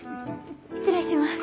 失礼します。